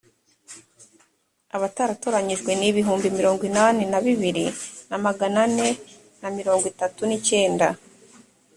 abataratoranyijwe ni ibihumbi mirongo inani na bibiri na magana ane na mirongo itatu n’ icyenda